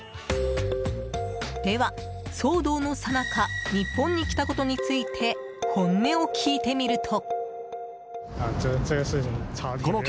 では、騒動のさなか日本に来たことについて本音を聞いてみると。